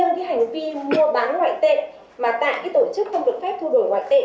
trong đó thì riêng cái hành vi mua bán ngoại tệ mà tại cái tổ chức không được phép thu đổi ngoại tệ